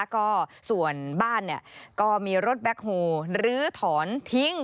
ก็ส่วนบ้านก็มีรถแบ็คโฮลื้อถอนทิ้ง